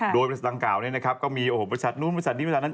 โดยบริษัทดังกล่าวนี้นะครับก็มีบริษัทนู้นบริษัทนี้บริษัทนั้น